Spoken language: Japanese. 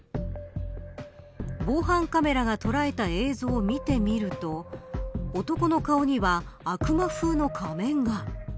防犯カメラが捉えた映像を見てみると男の顔には悪魔風の仮面が。